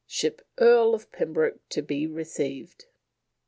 Ship Earl of Pembroke to be received."